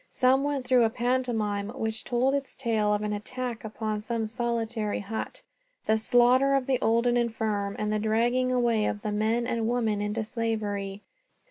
Some went through a pantomime, which told its tale of an attack upon some solitary hut, the slaughter of the old and infirm, and the dragging away of the men and women into slavery.